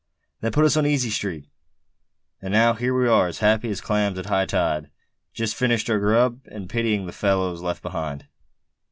That put us on easy street; and now, here we are, as happy as clams at high tide, just finished our grub, and pitying the fellows left behind."